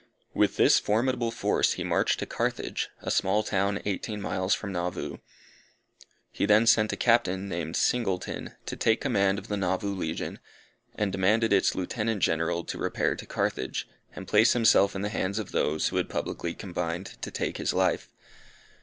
With this formidable force he marched to Carthage, a small town eighteen miles from Nauvoo. He then sent a captain, named Singleton, to take command of the Nauvoo legion, and demanded its Lieutenant General to repair to Carthage, and place himself in the hands of those who had publicly combined to take his life.